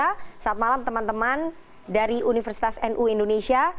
selamat malam teman teman dari universitas nu indonesia